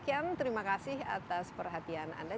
demikian terima kasih atas perhatian anda